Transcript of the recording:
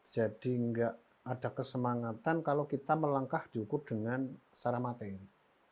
jadi enggak ada kesemangatan kalau kita melangkah dihukum dengan secara materi